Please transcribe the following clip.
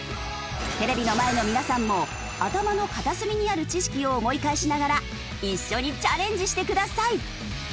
テレビの前の皆さんも頭の片隅にある知識を思い返しながら一緒にチャレンジしてください。